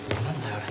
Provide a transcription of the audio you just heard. あれ。